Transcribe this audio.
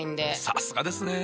さすがですね。